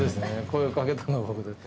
声をかけたのは僕です。